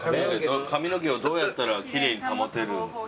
髪の毛をどうやったらキレイに保てる。